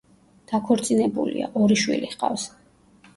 დაქორწინებულია, ორი შვილი ჰყავს.